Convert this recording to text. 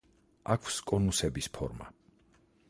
აქვს კონუსების ფორმა.